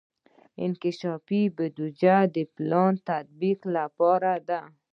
انکشافي بودیجه د پلانونو تطبیق لپاره ده.